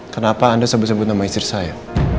kenapa anda sebut sebut nama istri saya